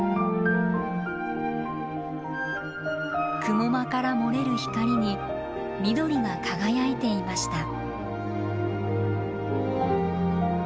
雲間から漏れる光に緑が輝いていました。